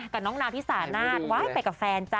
กับน้องนาวที่สาหน้าว่าให้ไปกับแฟนจ้ะ